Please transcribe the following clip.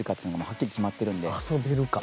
遊べるか。